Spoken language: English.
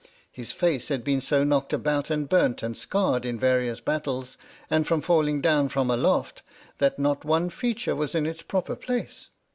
His face had been so knocked about and burnt and scarred in various battles and from falling down from aloft, that not one feature was in its proper place.